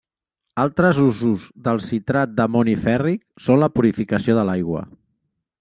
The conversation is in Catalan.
Altres usos del citrat d'amoni fèrric són la purificació de l'aigua.